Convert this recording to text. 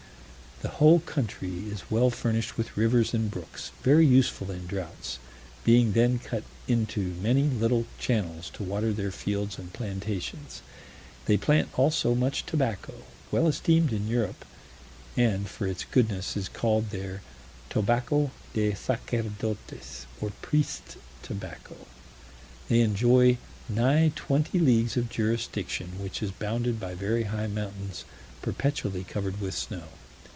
The whole country is well furnished with rivers and brooks, very useful in droughts, being then cut into many little channels to water their fields and plantations. They plant also much tobacco, well esteemed in Europe, and for its goodness is called there tobacco de sacerdotes, or priest's tobacco. They enjoy nigh twenty leagues of jurisdiction, which is bounded by very high mountains perpetually covered with snow.